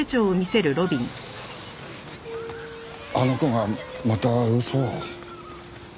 あの子がまた嘘を。